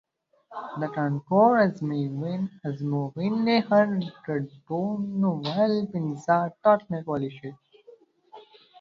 د کانکور ازموینې هر ګډونوال پنځه ټاکنې کولی شي.